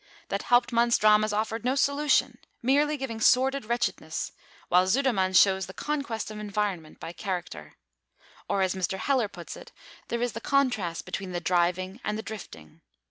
That Hauptmann's dramas offer no solution, merely giving sordid wretchedness; while Sudermann shows the conquest of environment by character. Or, as Mr. Heller puts it, there is the contrast between the "driving and the drifting."